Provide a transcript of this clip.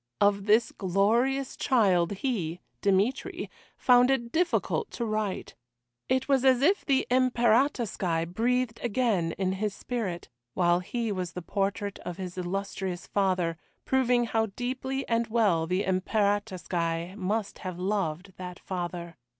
Of this glorious child he Dmitry found it difficult to write. It was as if the Imperatorskoye breathed again in his spirit, while he was the portrait of his illustrious father, proving how deeply and well the Imperatorskoye must have loved that father.